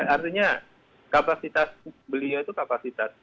artinya kapasitas beliau itu kapasitas